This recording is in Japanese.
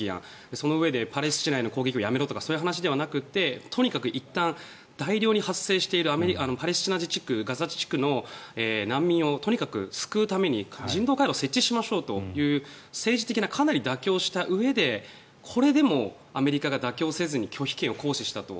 そのうえでパレスチナへの攻撃をやめろとかそういう話ではなくてとにかく、いったん大量に発生しているパレスチナのガザ地区の難民をとにかく救うために人道回廊を設置しましょうという政治的なかなり妥協したうえでこれでもアメリカが妥協せずに拒否権を行使したと。